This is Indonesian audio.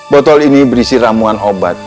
botol ini berisi ramuan obat